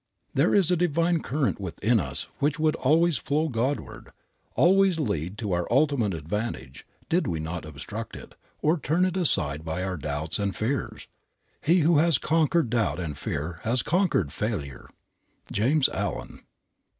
There is a divine current within us which would always flow Godward, always lead to our ultimate advantage, did we not obstruct it, or turn it aside by our doubts and fears. He who has conquered doubt and fear has conquered failure. JAMES ALLEN.